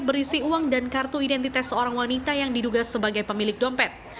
berisi uang dan kartu identitas seorang wanita yang diduga sebagai pemilik dompet